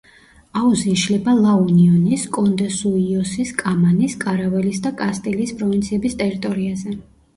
აუზი იშლება ლა-უნიონის, კონდესუიოსის, კამანის, კარაველის და კასტილიის პროვინციების ტერიტორიაზე.